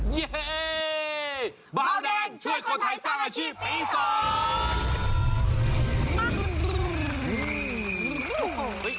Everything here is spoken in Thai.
เย่เบาแดงช่วยคนไทยสร้างอาชีพปีสอง